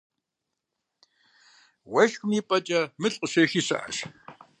Уэшхым и пӀэкӀэ мыл къыщехи щыӀэщ.